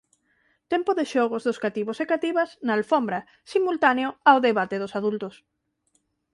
Tempo de xogos dos cativos e cativas na alfombra simultáneo ao debate dos adultos.